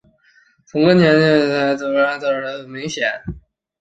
跟从前的阴极射线管和等离子技术相比迟滞明显。